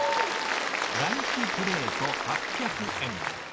ランチプレート８００円。